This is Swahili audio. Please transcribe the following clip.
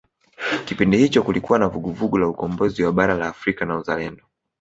kipindi hicho kulikuwa na vuguvugu la ukombozi wa bara la afrika na uzalendo